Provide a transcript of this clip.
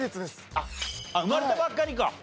あっ生まれたばっかりか。